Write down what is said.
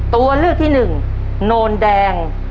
ตัวเลือกที่หนึ่งโนนแดง